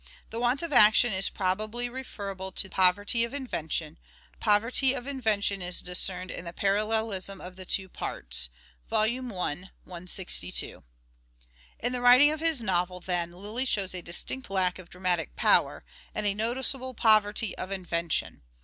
. The want of action is probably referrable to poverty of invention. ... Poverty of invention is discerned in the parallelism of the two parts" (Vol. I. 162). In the writing of his novel, then, Lyly shows a distinct lack of dramatic power, and a noticeable " poverty of invention."